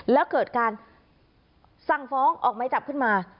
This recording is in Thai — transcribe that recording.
แล้วเกิดการสั่งฟ้องออกไม้จับขึ้นมา